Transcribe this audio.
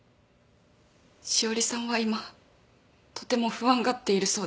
栞さんは今とても不安がっているそうです。